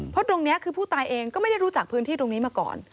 เพราะตรงนี้คือผู้ตายเองก็ไม่ได้รู้จักพื้นที่ตรงนี้มาก่อน